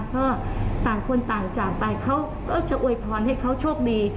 เพราะต่างคนต่างจากไปเขาก็จะอวยพรให้เขาโชคดี